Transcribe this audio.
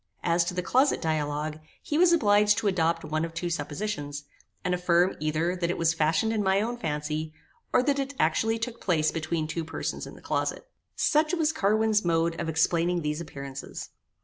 As to the closet dialogue, he was obliged to adopt one of two suppositions, and affirm either that it was fashioned in my own fancy, or that it actually took place between two persons in the closet. Such was Carwin's mode of explaining these appearances.